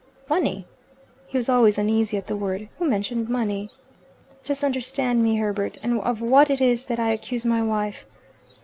"Money?" He was always uneasy at the word. "Who mentioned money?" "Just understand me, Herbert, and of what it is that I accuse my wife."